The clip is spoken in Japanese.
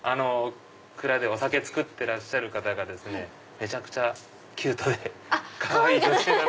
蔵でお酒造ってらっしゃる方がめちゃくちゃキュートでかわいい女性なので。